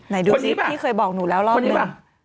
นายดูสิพี่เคยบอกหนูแล้วรอบนึง